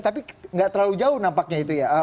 tapi nggak terlalu jauh nampaknya itu ya